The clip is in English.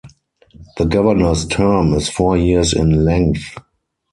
The governor's term is four years in length.